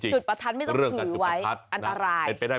ประทัดไม่ต้องถือไว้อันตราย